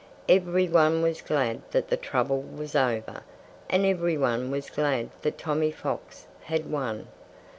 Everyone was glad that the trouble was over. And everyone was glad that Tommy Fox had won.